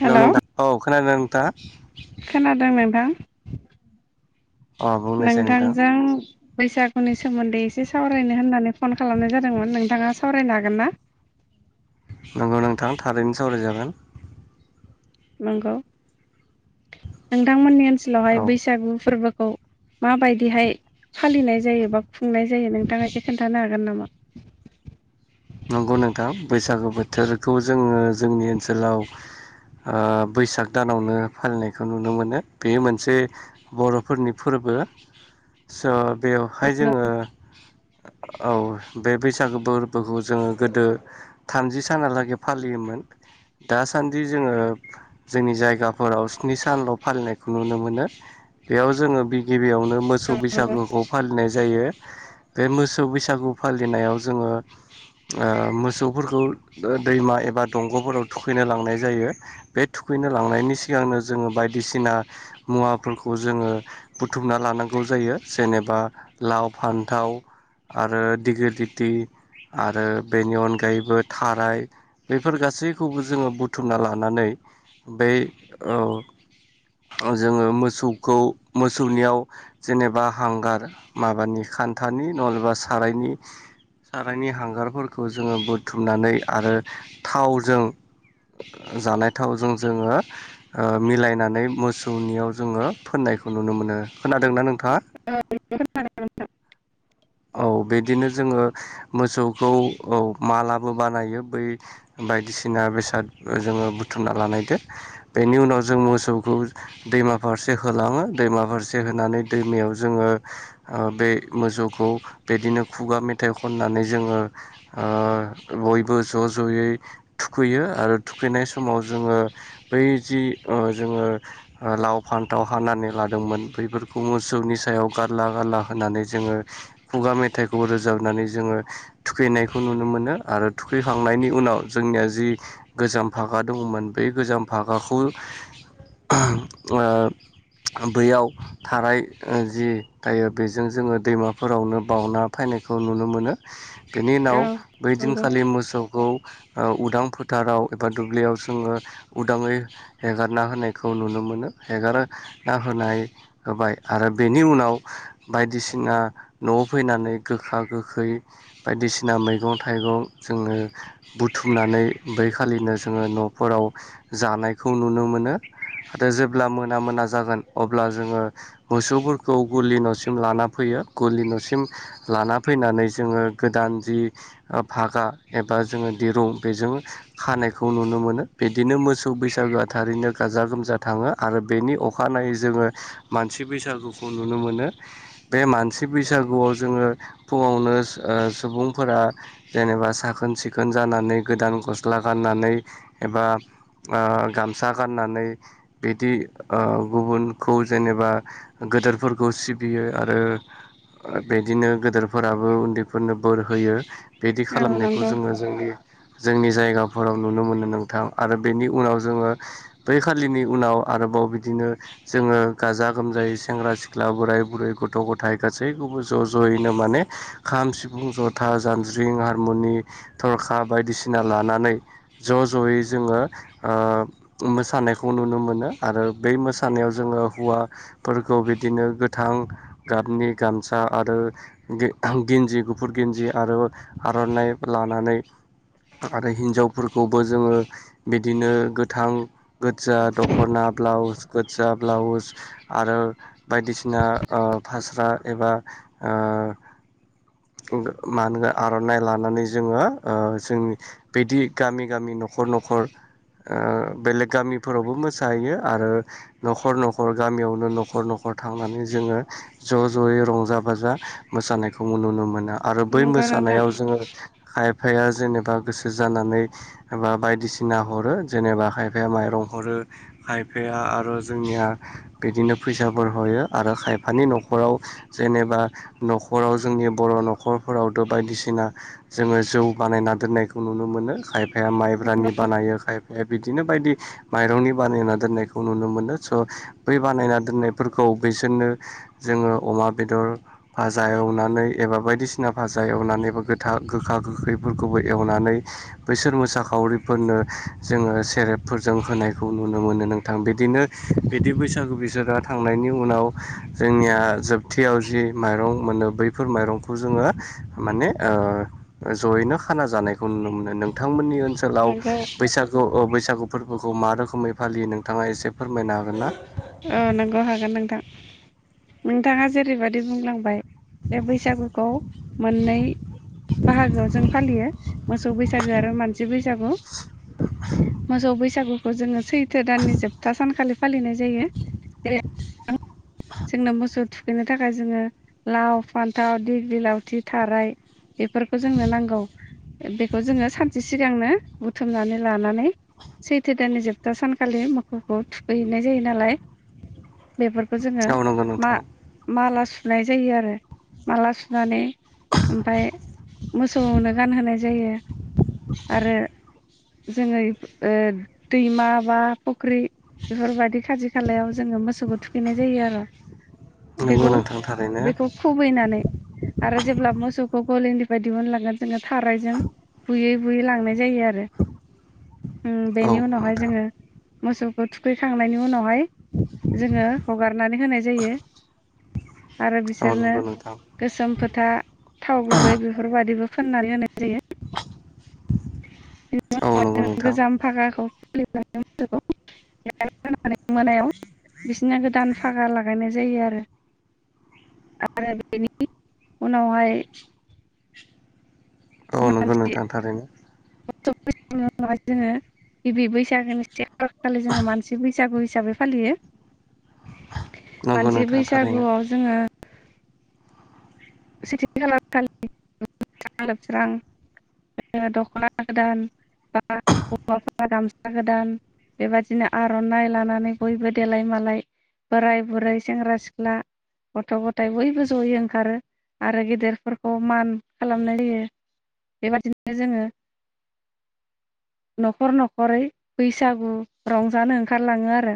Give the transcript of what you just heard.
हेल' नोंथां औ खोनादोंना नोंथाङा? खोनादों नोंथां अ बुंनोसै नोंथां नोंथांजों बैसागुनि सोमोन्दै एसे सावरायनो होननानै फन खालामनाय जादोंमोन नोंथाङा सावरायनो हागोन ना? [inaudible] नंगौ नोंथां थारैनो सावरायजागोन नंगौ नोंथांमोननि ओनसोलावहाय औ बैसागु फोरबोखौ माबायदिहाय फालिनाय जायो बा खुंनाय जायो नोंथाङा एसे खोन्थानो हागोन नामा? [inaudible] नंगौ नोंथां बैसागु बोथोरखौ जोङो जोंनि ओनसोलाव ओ बैसाग दानावनो फालिनायखौ नुनो मोनो बेयो मोनसे बर'फोरनि फोरबो बो स [unintelligible] बेवहाय औ जोङो औ बे बैसागो फोरबोखौ जोङो गोदो थामजि सानालागै फालियोमोन दासान्दि जोङो जोंनि जायगाफोराव स्नि सानल' फालिनायखौ नुनो मोनो बेयाव जोङो बि गिबियावनो मोसौ बैसागुखौ फालिनाय जायो बे मोसौ बैसागु फालिनायाव जोङो ओ मोसौफोरखौ ऐ दैमा एबा दंग'फोराव थुखैनो लांनाय जायो बे थुखै थुखैनो लांनायनि सिगांनो जोङो बायदिसिना मुवाफोरखौ जोङो बुथुमना लानांगौ जायो जायो जेनेबा लाव फान्थाव आरो दिगलि गिति आरो बेनि अनगायैबो थाराय बेफोर गासैखौबो जोङो बुथुमना लानानै बै ओ जोङो मोसौखौ मोसौनियाव जेनेबा हांगार माबानि खान्थानि नलबा सारायनि सा खायनि हांगारफोरखौ जोङो बुथुमनानै आरो थावजों जानाय थावजों जोङो मिलायनानै मोसौनियाव जोङो फोननायखौ नुो नुनो मोनो खोनादोंना नोंथाङा औ [inaudible] बिदिनो जोङो मोसखौ मालाबो बानायो बायदिसिना बेसाद जोङो ब बुथुमना लानायदो बेनि उनाव जों मोसौखौ दैमा फारसे होलाङो दैमा फारसे होनानै दैमायाव जोङो ओ बे मोसौखौ बिदिनो खुगा मेथाइ खननानै जोङो ओ बयबो ज' ज'यै थुखैयो आरो थुखैनाय समाव जोङो बै जि जोङो लाव फान्थाव हानानै लादोंमोन बेफोरखौ मोसौनि सायाव गारला गारला होनानै जोङो खुगा मेथाइखौ रोजाबनानै जोङो थुखैनायखौ नुनो मोनो आरो थुखैखांनायनि उनाव जोंनिया जि गोजाम भागा दङमोन बे बे गोजाम भागाखौ ओ बैयाव थानायार जि दायो बेजों जोङो दैमाफोरावनो सना फैनायखौ नुनो मोनो बेनि उनाव बै नंगौ उदां फोथाराव एबा दुब्लियाव जोङो उदाङै हेगारना होनायखौ नुनो मोनो मोनो हेगारना होनाय होबाय आरो बेनि उनाव बायदिसिना न'आव फैनानै गोखा गोखै बायदिसिना मैगं थाइगं जोङो बुथुम खुमनानै बैखालिनो जोङो न'फोराव जानायखौ नुनो मोनो आरो जेब्ला दा मोना मोना जागोन अब्ला जोङो मोसौफोरखौ गुलि न'सिम लाना फैयो गलि न'सिम लाना फैनानै जोङो गोदान जि भागा एबा जोङो दिरुं बेजों खानायखौ नुनो मोनो बिदिनो मोसौ बैसागोआ थारैनो गाजा गोमजा थाङो आरो बेनि अखानायै जोङो मानसि बैसागुखौ नुनो मोनो बे मानसि बैसागुआव जोङो फुङावनो ओ सुबुंफोरा जेनेबा साखोन सिखोन ज नानै गोदान गस्ला गाननानै एबा ओ गामसा गाननानै बिदि गुबुन खौ जेनेबा गोदोरफोरखौ सिबियो आरो बिदिनो गदोरफोराबो उन्दैफोरनो बोर होयो बिदि औ खालामनायखौ नंगौ जोङो जोंनि जोंनि जायगाफोराव नुनो मोनो नोंथां आरो बेनि उनाव जोङो बै खालिनि उनाव आरोबाव अ बिदिनो जोङो गाजा गोमजायै सेंग्रा सिख्ला बोराय बुरै गथ' गथथाय गासैखौबो ज' ज'यैनो माने खाम सिफुं जथा जानज्रिं हारमुनि थर फखा बायदिसिना लानानै ज' ज'यै जोङो ओ मोसानायखौ नुनो मोनो मोनो आरो बे मोसानायाव जोङो हौवाफोरखौ बिदिनो गोथां गाबनि गामसा आरो गिन्जि गुफुर गिन्जि आरो आर'नाइ लानानै आरो हिनजावफोरखौबो जोङो बिदिनो गोथां गोजा दख'ना ब्लाउस गोजा ब्लाउस आरो बायदिसिना ओ फास्रा एबा ओ मा होनगो आर'नाइ लानानै जोङो ओ जोंनि बिदि गामि गामिनि न'खर न'खर ओ बेलेग गामिफोरावबो मोसाहैयो आरो न'खर न'खर गामियावनो न'खर न'खर हर थांनानै जोङो ज' ज'यै रंजा बाजा मोसानायखौ नुनो मोनो आरो बै नंगौ नोंथां मोसानायाव जोङो खाय खायफाया जेनेबा गोसो जानानै बा बायदिसिना हरो जेनेबा खायफाया माइरं हरो खायफाया आरो जोंनिया बिदिनो फैसाफोर हयो आरो खायफानि न'खर नखराव जेनेबा न'खराव जोंनि बर' न'खरफोरावथ' बायदिसिना जोङो जौ बानायना दोन्नायखौ नुनो मोनो खायफाया माइब्रानि बानायो खायफाया बिदिनो बायदि माइरंनि बानायना दोननायखौ नुनो मोनो स' बै बानायना दोननायफोरखौ बिसोरनो जोङो अमा बेदर फाजा एवनानै एबा बायदिसिना फाजा एवनानै गोथ गोखा गोैफोरखौबो एवनानै बैसोर मोसाखावरिफोरनो जोङो सेरेबफोरजों होननायखौ नुनो मोनो नोंथां। बिदिनो बिदि बैसागु बिसोरा थांनायनि उनाव जोंनिया जोबथायाव जि माइरं मोनो बैफोर माइरंखौ जोङो माने जयैनो खाना जानायखौ नुनो मोनो नोंथांमोननि ओनसोलाव नंगौ बैसागु बैसागु फोरबोखौ मा रोखोमै फालियो नोंथाङा एसे फोरमायनो हागोन ना औ नंगौ हागोन नोंथां नोंथाङा जेरैबायदि बुंलांबाय जे बैसागुखौ मोननै बाहागोआव जों फालियो मोसौ बैसागो आरो मानसि बैसागु मोसौ बैसागुखौ जोङो सैथो दाननि जोबथा सानखालि फालिनाय जायो [unintelligible] [inaudible] जोंना मोसौ थुखैनो थाखाय जोङो लाव फान्थाव दग्रि लावथि थाराय बेफोरखौ जोंनो नांगौ बेखौ जोङो सानसे सिगांनो बुथुमनानै लानानै सैथो दाननि जोबथा सानखालि मोसौखौ थुखैहैनाय जायो नालाय बेफोरखौ जोङो औ नंगौ मा नोंथां माला सुनाय जायो आरो माला सुनानै ओमफाय मोसौनो गानहोनाय जायो आरो जोङो ओ दैमा बा फुख्रि बेफोरबायदि खा थि खालायाव जोङो मोसौखौ थुखैनाय जायो आरो नंगौ बेखौ नोंथां थारैनो बेखौ खुबैनानै आरो जेब्ला मोसौखौ गलैनि दिहुनलांगोन जोङो जाथायजों बुयै बुयै लांनाय जायो आरो औ बेनि उनावहाय नोंथां जोङो मोसौखौ थुखैखांनायनि उनावहाय जोङो हगारनानै होनाय जायो आरो औ बिसोरनो नंगौ नोंथां गोसोम फोथा थाव गुबै बेफोरबायादिबो फोननानै होनाय जायो बि औ नंगौ नोंथां गोजाम फागाखौ फुलि मोसौखौ नानै मोनायाव बिसिना गोदान फागा लागायनाय जायो आरो आरो बेनि उनावहाय औ नंगौ मानसि नोंथां थारैनो। [unintelligible] जोङो गिबि बैसागो से खालि जोङो मानसि बैसागु हिसाबै फालियो नंगौ मानसि नोंथां थारैनो बैसागुआव जोङो। सेटि खालार खालि लोबसोरां दख'ना गोदान बा हौवाफोरा गामसा गोदान बेबादिनो आर'नाइ लानानै बयबो देलाय मालाय बोराय बुरै सेंग्रा सिख्ला गथ' गथाय बयबो जयै ओंखारो आरो गेदेरफोरखौ मान खालामनाय होयो बेबादिनो जोङो [unintelligible] न'खर न'खरै बैसागु रंजानो ओंखारलाङो आरो